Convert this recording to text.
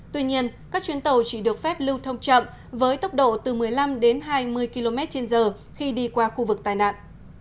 tuy nhiên các chuyến tàu chỉ được phép lưu thông chậm với tốc độ từ một mươi năm đến hai mươi km trên giờ khi đi qua khu vực tai nạn